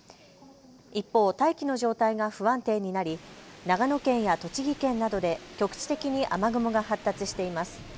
一方、大気の状態が不安定になり長野県や栃木県などで局地的に雨雲が発達しています。